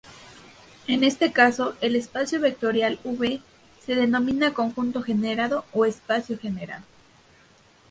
En este caso, el espacio vectorial "V" se denomina conjunto generado o espacio generado.